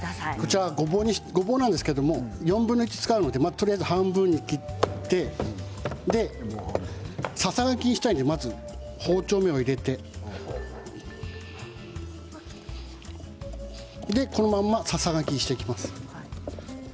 ４分の１を使うのでとりあえず半分に切ってささがきにしたいのでまず包丁目を入れてこのままささがきにしていきます。